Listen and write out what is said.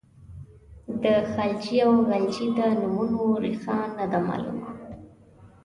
د خلجي او غلجي د نومونو ریښه نه ده معلومه.